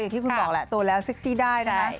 ที่คุณบอกแหละโตแล้วเซ็กซี่ได้นะคะ